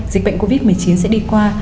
dịch bệnh covid một mươi chín sẽ đi qua